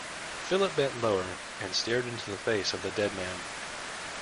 Philip bent lower, and stared into the face of the dead man.